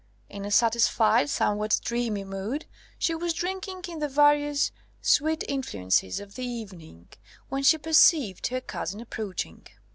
In a satisfied, somewhat dreamy mood, she was drinking in the various sweet influences of the evening, when she perceived her cousin approaching.